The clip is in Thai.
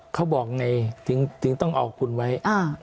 เขาบอกไงถึงต้องออกคุณไว้